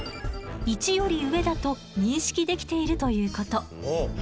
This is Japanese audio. １より上だと認識できているということ。